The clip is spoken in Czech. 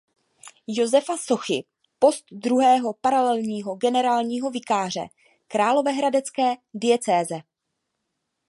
Josefa Sochy post druhého paralelního generálního vikáře královéhradecké diecéze.